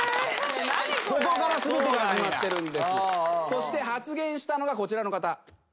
そして発言したのがこちらの方。